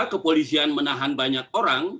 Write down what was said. kepolisian menahan banyak orang